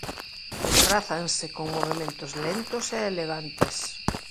Desprázanse con movementos lentos e elegantes.